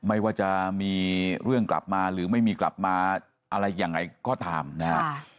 ไม่ว่าจะมีเรื่องกลับมาหรือไม่มีกลับมาอะไรยังไงก็ตามนะฮะ